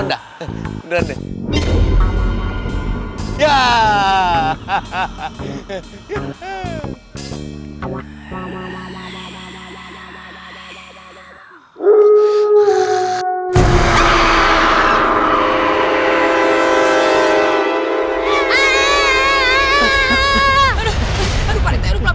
beneran manusia serigala ya